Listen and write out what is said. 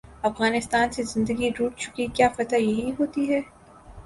افغانستان سے زندگی روٹھ چکی کیا فتح یہی ہو تی ہے؟